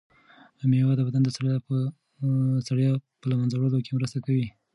مېوې د بدن د ستړیا په له منځه وړلو کې مرسته کوي.